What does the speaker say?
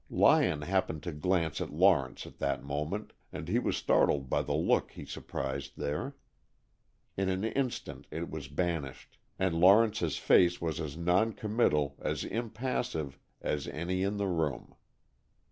Lyon happened to glance at Lawrence at that moment, and he was startled by the look he surprised there. In an instant it was banished, and Lawrence's face was as non committal, as impassive, as any in the room.